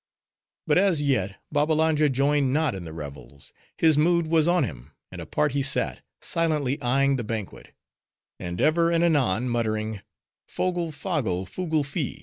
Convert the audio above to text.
But as yet, Babbalanja joined not in the revels. His mood was on him; and apart he sat; silently eyeing the banquet; and ever and anon muttering,—"Fogle foggle, fugle fi.